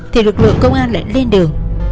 thì lực lượng công an lại lên đường